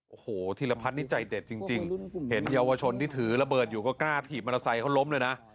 โอ้โหธีรพัฒน์นี่ใจเด็ดจริงเห็นเยาวชนที่ถือระเบิดอยู่ก็กล้าถีบมอเตอร์ไซค์เขาล้มเลยนะ